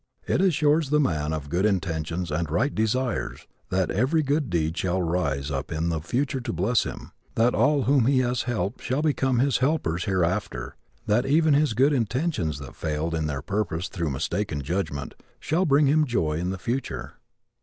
It assures the man of good intentions and right desires that every good deed shall rise up in the future to bless him; that all whom he has helped shall become his helpers hereafter; that even his good intentions that failed in their purpose through mistaken judgment, shall bring him joy in the future.